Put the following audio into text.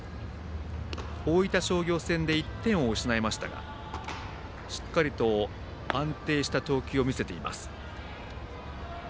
大分商業戦で１点を失いましたがしっかりと安定した投球を見せています。